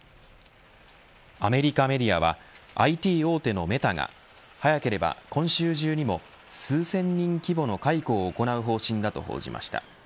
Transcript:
アメリカメディアはＩＴ大手のメタが早ければ、今週中にも数千人規模の解雇を行う方針だと報じました。